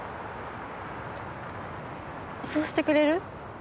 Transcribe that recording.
そうしてくれる？